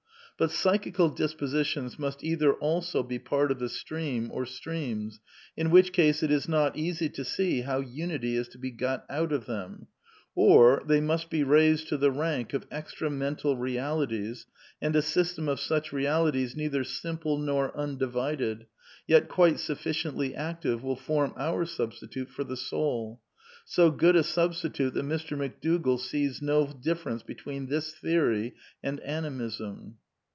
But psychical dispositions must "7 Bkher also be part of the stream or streams ; in which case it is not easy to see how unity is to be got out of them ; or they must be " raised to the rank of extra mental realities, and a system of such realities neither ^ simple ' nor * un divided,' yet quite sufficiently active, will form our substi tute for the soul," so good a substitute that Mr. McDougall sees no difference between this theory and Animism.